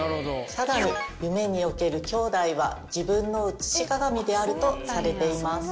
さらに夢における兄弟は自分の写し鏡であるとされています。